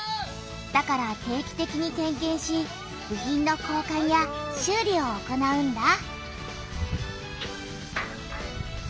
だから定期てきに点けんし部品の交かんや修理を行うんだ。